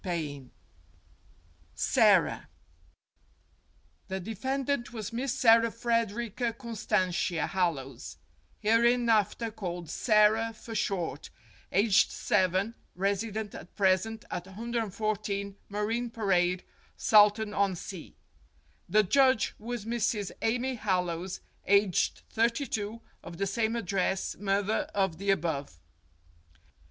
XVII SARA THE defendant was Miss Sara Frederica Con stantia Hallowes, hereinafter called Sara for short, aged seven, resident at present at 114 Marine Parade, Salton on Sea. The judge was Mrs. Amy Hallowes, aged thirty two, of the same address, mother of the above.